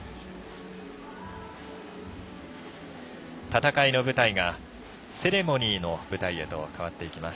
戦いの舞台がセレモニーの舞台へとかわっていきます。